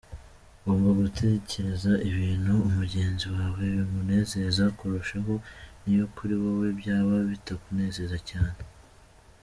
Ugomba gutekereza ibintu mugenzi wawe bimunezeza kurushaho niyo kuri wowe byaba bitakunezeza cyane.